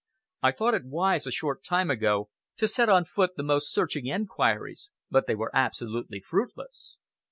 "I thought it wise, a short time ago, to set on foot the most searching enquiries, but they were absolutely fruitless."